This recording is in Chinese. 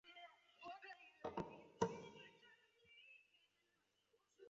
三十九年以户部左侍郎署掌部务。